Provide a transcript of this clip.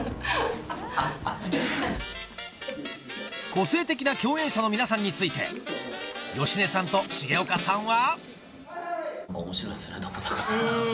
個性的な共演者の皆さんについて芳根さんと重岡さんは面白いですねともさかさん。